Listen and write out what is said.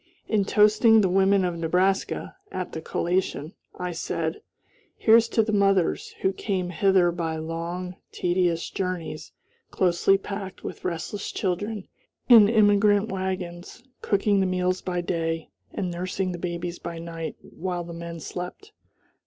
In toasting "the women of Nebraska," at the collation, I said: "Here's to the mothers, who came hither by long, tedious journeys, closely packed with restless children in emigrant wagons, cooking the meals by day, and nursing the babies by night, while the men slept.